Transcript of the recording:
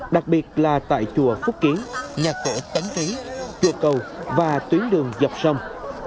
đặc biệt là tại chùa phúc kiến nhà cổ tấn thí chùa cầu và tuyến đường dọc sông